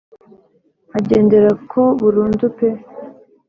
agendera ko burundu pe